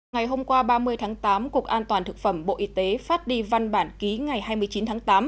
ngày hôm qua ba mươi tháng tám cục an toàn thực phẩm bộ y tế phát đi văn bản ký ngày hai mươi chín tháng tám